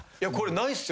ないっすよ